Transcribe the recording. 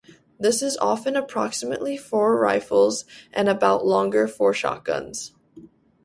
This is often approximately for rifles and about longer for shotguns.